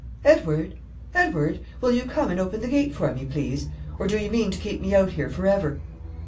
"Edward! Edward! Will you come and open the gate for me, please? Or do you mean to keep me out here for ever?"